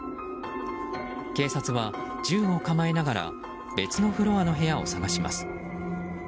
警察は、銃を構えながら別のフロアの部屋を探します。